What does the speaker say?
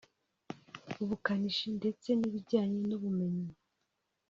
ubukanishi ndetse n’ibijyanye n’ubumenyi